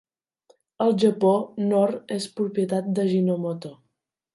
Al Japó, Knorr és propietat d'Ajinomoto.